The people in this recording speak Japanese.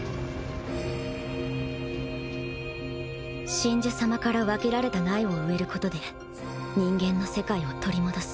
神樹様から分けられた苗を植えることで人間の世界を取り戻す。